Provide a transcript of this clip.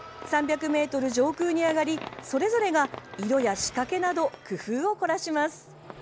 ３００ｍ上空に上がりそれぞれが色や仕掛けなど工夫を凝らします。